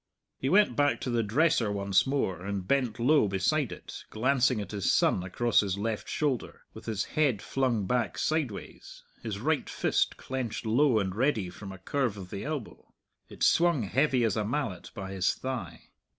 He went back to the dresser once more and bent low beside it, glancing at his son across his left shoulder, with his head flung back sideways, his right fist clenched low and ready from a curve of the elbow. It swung heavy as a mallet by his thigh.